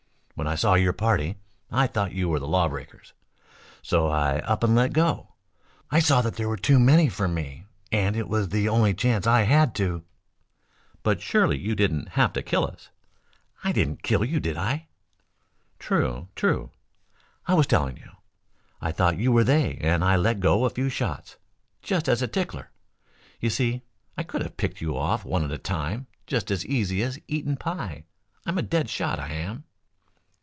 When I saw your party I thought you were the lawbreakers, so I up and let go. I saw that there were too many for me and it was the only chance I had to " "But surely you didn't have to kill us." "I didn't kill you, did I?" "True; true." "I was telling you, I thought you were they and I let go a few shots, just as a tickler. You see, I could have picked you off one at a time just as easy as eating pie. I'm a dead shot, I am."